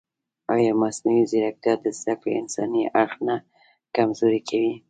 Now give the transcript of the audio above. ایا مصنوعي ځیرکتیا د زده کړې انساني اړخ نه کمزوری کوي؟